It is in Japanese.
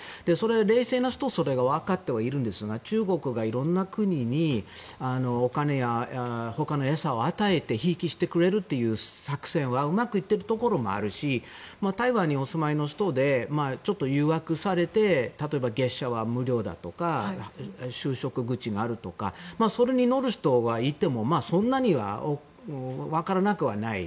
冷静な人はそれを分かっているんですが中国がいろんな国にお金や他の餌を与えてひいきしてくれるという作戦はうまくいってるところもあるし台湾にお住まいの人でちょっと誘惑されて例えば、月謝が無料だとか就職口があるとかそれに乗る人がいてもそんなには分からなくはない。